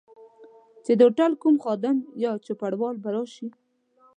چي د هوټل کوم خادم یا چوپړوال به راشي.